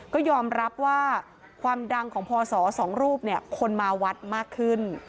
ก็ยอมรับว่าความดังของพศ๒รูปคนมาวัดมากขึ้น